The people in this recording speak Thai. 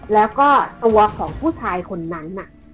แล้วก็ตัวของผู้ชายคนนั้นน่ะ